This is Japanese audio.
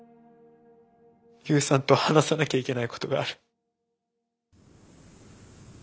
悠さんと話さなきゃいけないことがある。